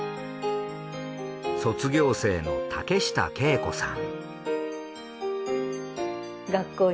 卒業生の竹下景子さん。